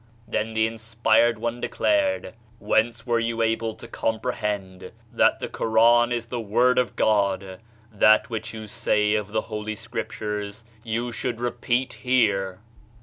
Then the inspired one declared: "Whence were you able to comprehend that the Koran is the word of God? That which you say of the Holy Scriptures, you should repeat here!"